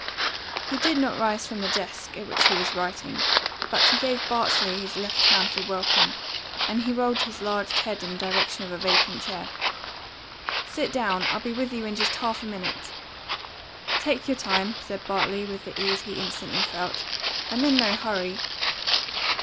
He did not rise from the desk at which he was writing, but he gave Bartley his left hand for welcome, and he rolled his large head in the direction of a vacant chair. "Sit down! I'll be with you in just half a minute." "Take your time," said Bartley, with the ease he instantly felt. "I'm in no hurry."